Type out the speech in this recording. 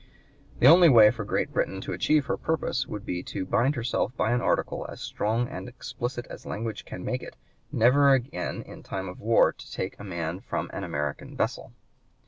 The only way for Great Britain to achieve her purpose would be "to bind herself by an article, as strong and explicit as language can make it, never again in time of war to take a man from an American vessel."